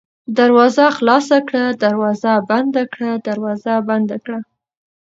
دروازه خلاصه کړه ، دروازه بنده کړه ، دروازه بنده کړه